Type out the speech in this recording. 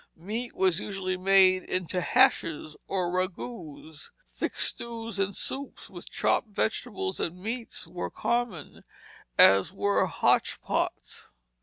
Meat was usually made into hashes or ragouts; thick stews and soups with chopped vegetables and meats were common, as were hotch pots.